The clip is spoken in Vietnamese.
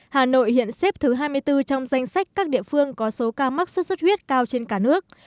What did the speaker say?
hà nội hiện xếp thứ hai mươi bốn trong danh sách các địa phương có số ca mắc xuất xuất huyết cao trên cả nước